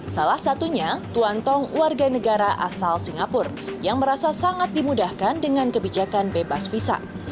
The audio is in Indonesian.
salah satunya tuan tong warga negara asal singapura yang merasa sangat dimudahkan dengan kebijakan bebas visa